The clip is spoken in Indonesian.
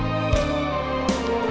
jangan lupa untuk mencoba